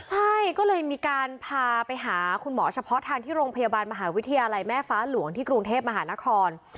ใช่ก็เลยมีการพาไปหาคุณหมอเฉพาะทางที่โรงพยาบาลมหาวิทยาลัยแม่ฟ้าหลวงที่กรุงเทพมหานคร